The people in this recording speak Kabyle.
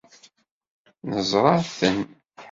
Neẓra-ten